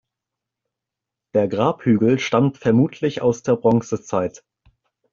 Der Grabhügel stammt vermutlich aus der Bronzezeit.